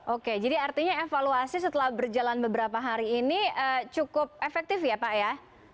oke jadi artinya evaluasi setelah berjalan beberapa hari ini cukup efektif ya pak ya